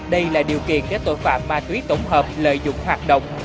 đây là điều kiện để tội phạm ma túy tổng hợp lợi dụng hoạt động